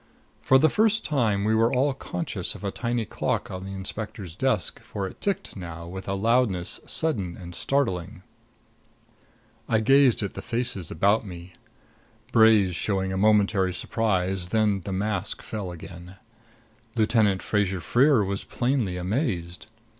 For the first time we were all conscious of a tiny clock on the inspector's desk, for it ticked now with a loudness sudden and startling. I gazed at the faces about me. Bray's showed a momentary surprise then the mask fell again. Lieutenant Fraser Freer was plainly amazed.